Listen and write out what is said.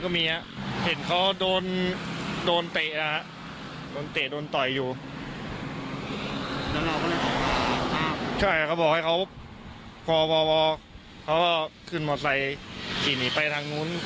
เขาขึ้นมอเตอร์ไซค์ขี้หนีไปทางนู้น